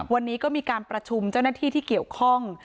วันนี้ก็มีการประชุมเจ้าหน้าที่ที่เกี่ยวข้อง